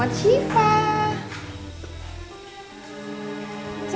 aku punya ide